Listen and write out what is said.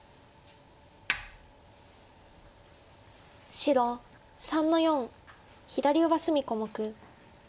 白３の四左上隅小目。